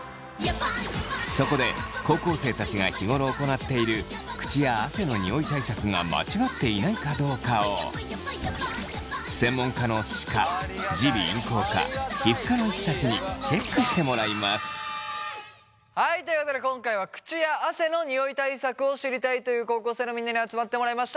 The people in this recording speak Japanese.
そこで高校生たちが日頃行っている口や汗のニオイ対策が間違っていないかどうかを専門家の歯科耳鼻咽喉科皮膚科の医師たちにはいということで今回は口や汗のニオイ対策を知りたいという高校生のみんなに集まってもらいました。